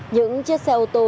những chiếc xe ô tô